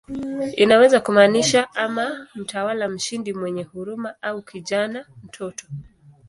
Inaweza kumaanisha ama "mtawala mshindi mwenye huruma" au "kijana, mtoto".